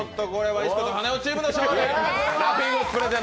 「石子と羽男」チームの勝利。